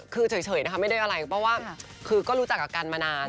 แต่เฉยไม่ได้อะไรเพราะว่าง่อนเรารู้จักกันมานาน